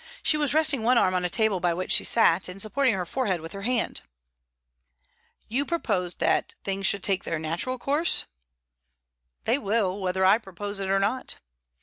She was resting one arm on a table by which she sat, and supporting her forehead with her hand. "You propose that things should take their natural course?" "They will, whether I propose it or not."